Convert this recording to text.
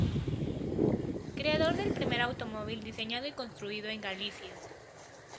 Creador del primer automóvil diseñado y construido en Galicia.